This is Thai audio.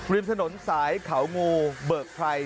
ริมถนนสายเขางูเบิกไพร